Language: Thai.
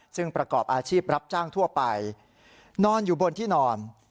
ซึ่งประกอบอาชีพรับจ้างทั่วไปนอนอยู่บนที่นอน